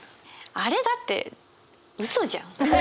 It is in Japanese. あれだってウソじゃん。